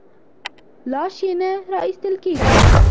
لاش یې نه راایستل کېږي.